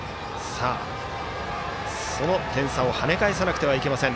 その点差を跳ね返さなくてはなりません。